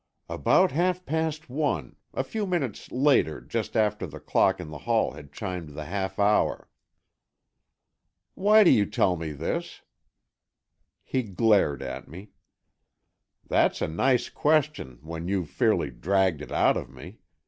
"About half past one; a few minutes later, just after the clock in the hall had chimed the half hour." "Why do you tell me this?" He glared at me. "That's a nice question, when you've fairly dragged it out of me!